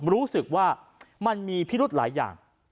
รู้สึกว่ามันมีพิรุธหลายอย่าง